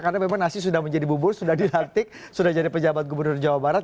karena memang nasi sudah menjadi bubur sudah didatik sudah jadi pejabat gubernur jawa barat